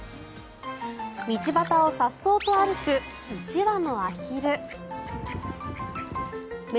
道端をさっそうと歩く１羽のアヒル。